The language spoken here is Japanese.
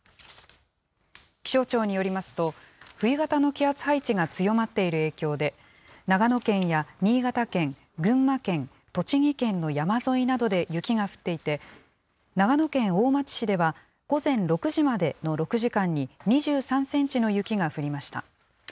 気象庁によりますと、冬型の気圧配置が強まっている影響で、長野県や新潟県、群馬県、栃木県の山沿いなどで雪が降っていて、長野県大町市では、午前６時までの６時間に２３センチの雪が降りました。